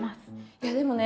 いやでもね